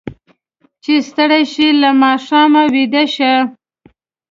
چې ستړي شي، له ماښامه ویده شي.